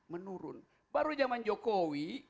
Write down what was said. menurun baru zaman jokowi